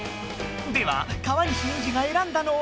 では川西エンジが選んだのは？